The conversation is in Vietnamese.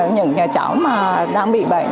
những nhà cháu mà đang bị bệnh